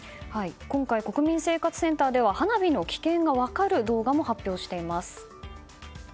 今回、国民生活センターでは花火の危険が分かる動画も発表しています。